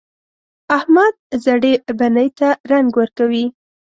احمد زړې بنۍ ته رنګ ورکوي.